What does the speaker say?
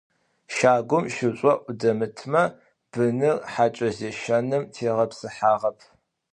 Щагум шышӏоӏу дэмытмэ, быныр хьакӏэ зещэным тегъэпсыхьагъэп.